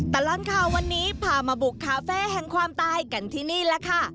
ตลอดข่าววันนี้พามาบุกคาเฟ่แห่งความตายกันที่นี่แหละค่ะ